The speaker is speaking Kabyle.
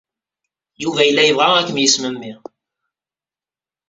Yuba yella yebɣa ad kem-yesmemmi.